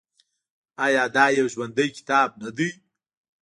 آیا دا یو ژوندی کتاب نه دی؟